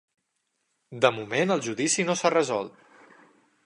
De moment el judici no s'ha resolt.